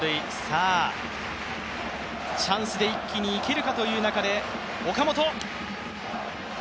チャンスで一気にいけるかという中で岡本。